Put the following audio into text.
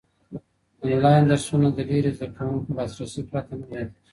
انلاين درسونه د لېرې زده کوونکو لاسرسی پرته نه وړاندې کيږي.